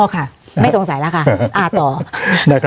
อ๋อค่ะไม่สงสัยแล้วค่ะ